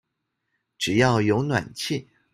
只要有暖氣